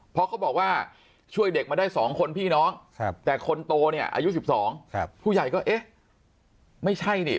เพราะเขาบอกว่าช่วยเด็กมาได้๒คนพี่น้องแต่คนโตเนี่ยอายุ๑๒ผู้ใหญ่ก็เอ๊ะไม่ใช่นี่